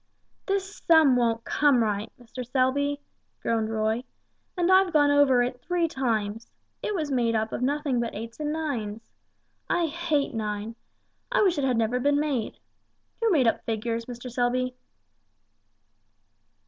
"This sum won't come right, Mr. Selby," groaned Roy; "and I've gone over it three times. It is made up of nothing but eights and nines. I hate nine. I wish it had never been made. Who made up figures, Mr. Selby?"